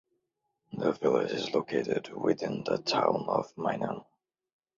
The village is located within the Town of Minong.